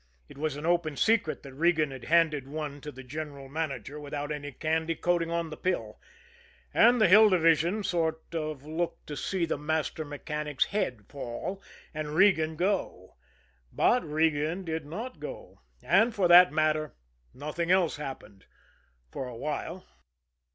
It was an open secret that Regan had handed one to the general manager without any candy coating on the pill, and the Hill Division sort of looked to see the master mechanic's head fall and Regan go. But Regan did not go; and, for that matter, nothing else happened for a while.